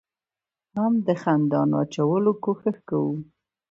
هم د خنډانو اچولو کوشش کوو،